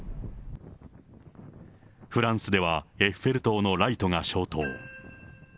フランスでは、エッフェル塔のライトが消灯。